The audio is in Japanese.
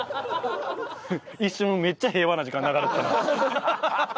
一瞬めっちゃ平和な時間流れたな。